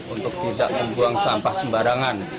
untuk tidak membuang sampah sembarangan